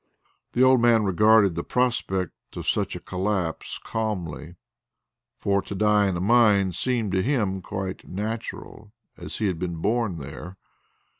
The old man regarded the prospect of such a collapse calmly, for to die in a mine seemed to him quite natural as he had been born there.